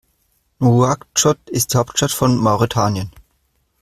Nouakchott ist die Hauptstadt von Mauretanien.